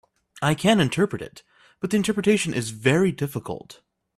I can interpret it, but the interpretation is very difficult.